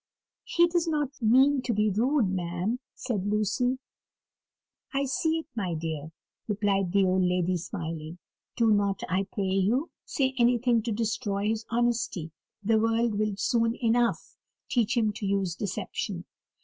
"He does not mean to be rude, ma'am," said Lucy. "I see it, my dear," replied the old lady, smiling. "Do not, I pray you, say anything to destroy his honesty the world will soon enough teach him to use deception."